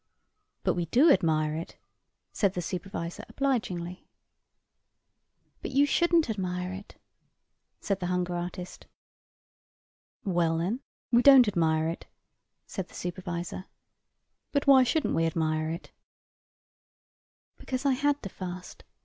"But we do admire it," said the supervisor obligingly. "But you shouldn't admire it," said the hunger artist. "Well then, we don't admire it," said the supervisor, "but why shouldn't we admire it?" "Because I had to fast.